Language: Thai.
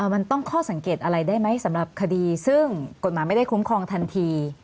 มันต้องข้อสังเกตอะไรได้ไหมสำหรับคดีซึ่งกฎหมายไม่ได้คุ้มครองทันที